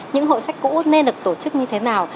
những hội sách cũ nên được tổ chức như thế nào